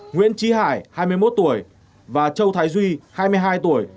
nguyễn trí hải hai mươi một tuổi và châu thái duy hai mươi hai tuổi